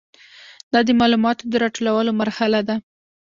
دا د معلوماتو د راټولولو مرحله ده.